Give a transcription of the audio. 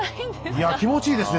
いや気持ちいいですね